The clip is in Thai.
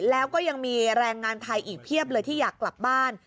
แล้วก็ยังมีแรงงานไทยอีกเพียบเลยที่อยากกลับบ้าน